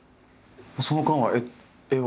その間は絵は？